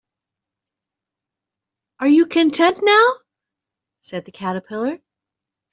‘Are you content now?’ said the Caterpillar.